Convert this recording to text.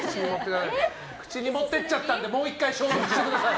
口に持って行っちゃったのでもう１回消毒してください。